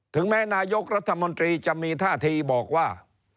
ถึงแม้นายกรัฐมนตรีจะมีท่าทีบอกว่า